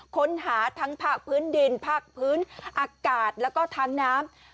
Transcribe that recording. ค้นหาทั้งภาคพื้นดินภาคพื้นอากาศแล้วก็ทางน้ำ